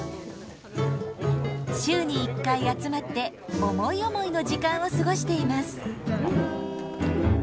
週に１回集まって思い思いの時間を過ごしています。